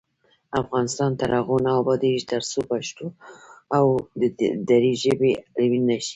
افغانستان تر هغو نه ابادیږي، ترڅو پښتو او دري ژبې علمي نشي.